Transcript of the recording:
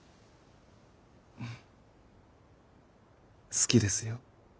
好きですよ。